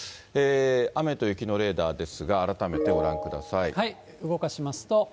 雨と雪のレーダーですが、改めて動かしますと。